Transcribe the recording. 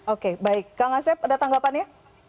oke baik kang asep ada tanggapannya